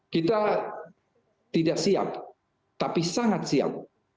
kita tidak siap tapi sangat siap